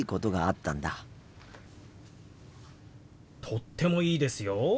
とってもいいですよ。